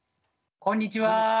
こんにちは。